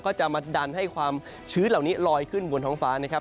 ก็จะมาดันให้ความชื้นเหล่านี้ลอยขึ้นบนท้องฟ้านะครับ